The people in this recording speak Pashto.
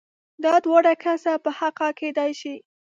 دا دواړه کسه په حقه کېدای شي؟